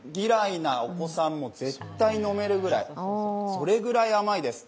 なお子さんも絶対飲めるぐらい、それぐらい甘いです。